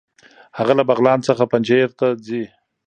هغه له بغلان څخه پنجهیر ته ځي.